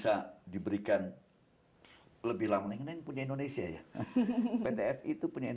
kalau diberikan waktu lagi kita bisa melakukan eksplorasi lanjutan ke wilayah yang di bawahnya lain